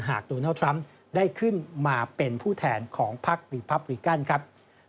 โดนัลดทรัมป์ได้ขึ้นมาเป็นผู้แทนของพักรีพับริกันครับ